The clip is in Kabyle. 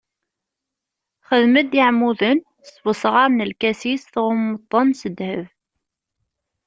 Xdem-d iɛmuden s wesɣar n lkasis tɣummeḍ-ten s ddheb.